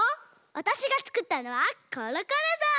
わたしがつくったのはコロコロぞう！